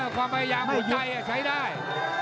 ความพยายามหัวใจใช้ได้